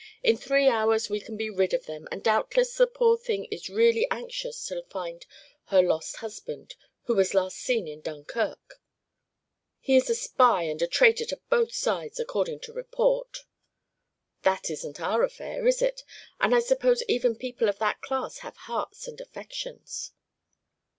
In three hours we can be rid of them, and doubtless the poor thing is really anxious to find her lost husband, who was last seen in Dunkirk." "He is a spy, and a traitor to both sides, according to report." "That isn't our affair, is it? And I suppose even people of that class have hearts and affections."